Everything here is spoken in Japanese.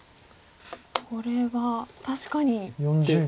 これは確かに。